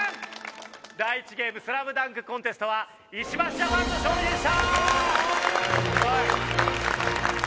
第１ゲームスラムダンクコンテストは石橋ジャパンの勝利でした！